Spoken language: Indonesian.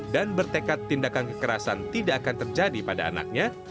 dan bertekad tindakan kekerasan tidak akan terjadi pada anaknya